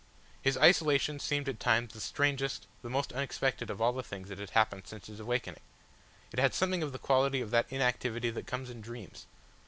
His isolation seemed at times the strangest, the most unexpected of all the things that had happened since his awakening. It had something of the quality of that inactivity that comes in dreams.